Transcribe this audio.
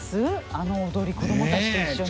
あの踊り子どもたちと一緒に？